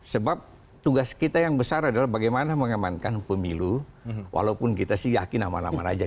sebab tugas kita yang besar adalah bagaimana mengembangkan pemilu walaupun kita sih yakin aman aman saja